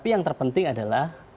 yang terpenting adalah